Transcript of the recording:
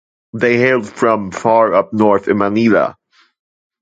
They hailed from far up north, in Manila.